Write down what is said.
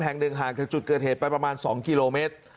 แห่ง๑ห่างที่จุดเกอร์เทพศิษฐ์ไปประมาณ๒กิโลเมตร